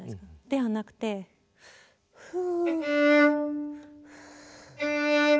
ではなくてフゥ。